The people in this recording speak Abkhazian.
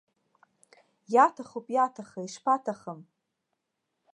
Иаҭахуп иаҭахы, ишԥаҭахым!